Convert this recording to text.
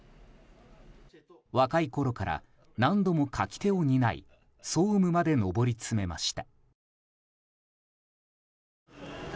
若いころから何度も舁き手を担い総務まで上り詰めました。